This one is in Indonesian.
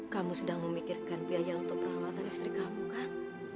kamu sedang memikirkan biaya untuk perawatan istri kamu kan